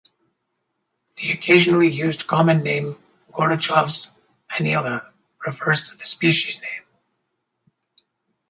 The occasionally used common name Gorochov’s Haaniella refers to the species name.